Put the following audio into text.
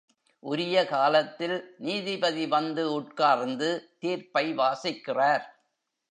உரியகாலத்தில் நீதிபதி வந்து உட்கார்ந்து தீர்ப்பை வாசிக்கிறார்.